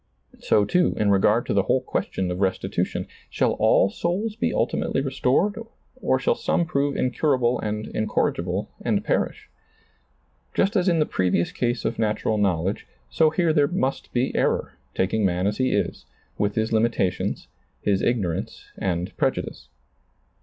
So, too, in regard to the whole question of restitution — shall all souls be ultimately restored, or shall some prove incurable and incorrigible, and perish ? Just as in the previous case of natural knowledge, so here ^lailizccbvGoOgle THE VALUE OF THE SOUL 127 there must be error, taking man as he is, with his limitations, his ignorance and prejudice.